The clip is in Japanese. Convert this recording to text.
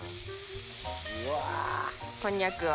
・うわ・こんにゃくを。